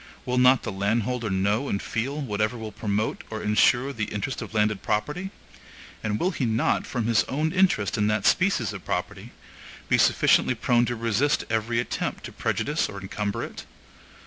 Will not the landholder know and feel whatever will promote or insure the interest of landed property? And will he not, from his own interest in that species of property, be sufficiently prone to resist every attempt to prejudice or encumber it?